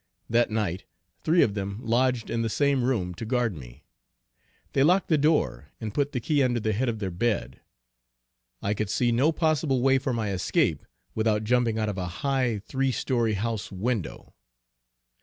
That night three of them lodged in the same room to guard me. They locked the door and put the key under the head of their bed. I could see no possible way for my escape without jumping out of a high three story house window.